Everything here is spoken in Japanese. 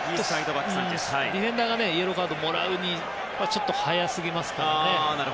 ディフェンダーがイエローカードをもらうにはちょっと早すぎますからね。